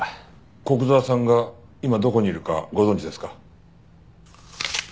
古久沢さんが今どこにいるかご存じですか？